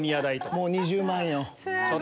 もう２０万よ。